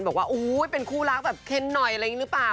บอกว่าเป็นคู่รักแบบเคนหน่อยอะไรอย่างนี้หรือเปล่า